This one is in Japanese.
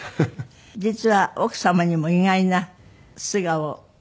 実は奥様にも意外な素顔を伺いました。